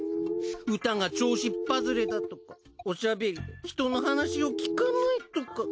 歌が調子っぱずれだとかおしゃべりで人の話を聞かないとか。